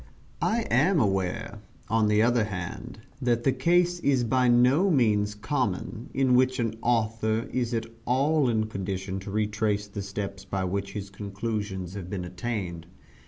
I am aware, on the other hand, that the case is by no means common, in which an author is at all in condition to retrace the steps by which his conclusions have been attained.